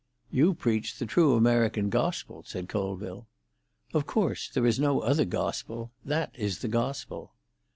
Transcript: "You preach the true American gospel," said Colville. "Of course; there is no other gospel. That is the gospel."